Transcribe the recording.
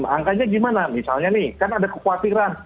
angkanya gimana misalnya nih kan ada kekhawatiran